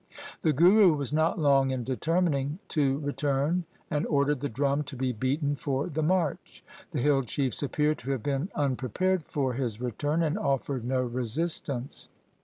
The Guru was not long in determining to return and ordered the drum to be beaten for the march. The hill chiefs appear to have been unprepared for his return and offered no resistance.